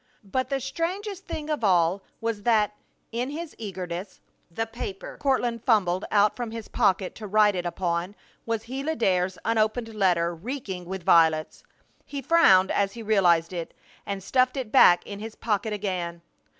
But the strangest thing of all was that, in his eagerness, the paper Courtland fumbled out from his pocket to write it upon was Gila Dare's unopened letter, reeking with violets. He frowned as he realized it, and stuffed it back in his pocket again.